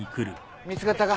見つかったか？